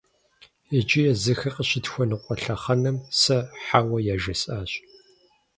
Иджы, езыхэр къыщытхуэныкъуэ лъэхъэнэм, сэ «хьэуэ» яжесӀащ!